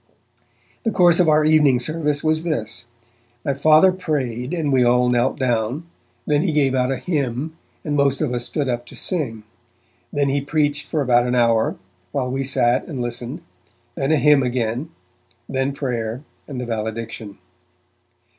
The course of our evening service was this: My Father prayed, and we all knelt down; then he gave out a hymn and most of us stood up to sing; then he preached for about an hour, while we sat and listened; then a hymn again; then prayer and the valediction.